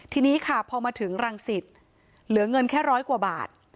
ทีนี้ค่ะพอมาถึงรังสิตเหลือเงินแค่ร้อยกว่าบาท